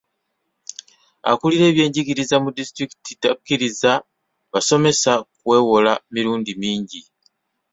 Akulira ebyenjigiriza mu disitulikiti takiriza basomesa kwewola mirundi mingi.